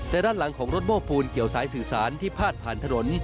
แต่ด้านหลังของรถโม้ปูนเกี่ยวสายสื่อสารที่พาดผ่านถนน